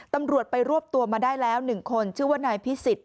ตำรวจไปรวบตัวมาได้แล้ว๑คนชื่อว่านายพิสิทธิ